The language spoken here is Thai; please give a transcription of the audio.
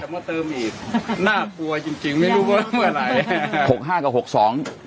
มาเติมอีกน่ากลัวจริงจริงไม่รู้ว่าเมื่อไหร่หกห้ากับหกสอง